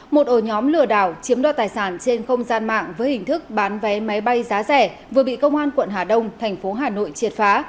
một ổ nhóm lừa đảo chiếm đoạt tài sản trên không gian mạng với hình thức bán vé máy bay giá rẻ vừa bị công an quận hà đông thành phố hà nội triệt phá